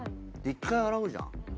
一回洗うじゃん。